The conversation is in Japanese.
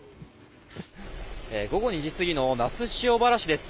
午後２時過ぎの那須塩原市です。